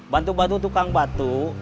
bantu bantu tukang batu